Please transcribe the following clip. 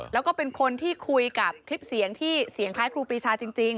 แล้วก็เป็นคนที่คุยกับคลิปเสียงที่เสียงคล้ายครูปรีชาจริง